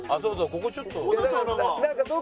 ここちょっと。